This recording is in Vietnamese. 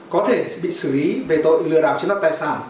có thể bị xử lý về tội lừa đạp chế năng tài sản